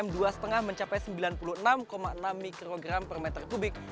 dan pm dua lima mencapai sembilan puluh enam enam mikrogram per meter kubik